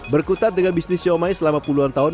berkutat dengan bisnis siomay selama puluhan tahun